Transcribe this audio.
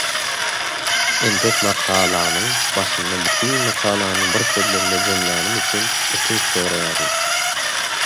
Entäk makalanyň başynda bütin makalany bir sözlemde jemlänim üçin ötünç soraýaryn.